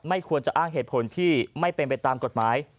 ควรจะอ้างเหตุผลที่ไม่เป็นไปตามกฎหมาย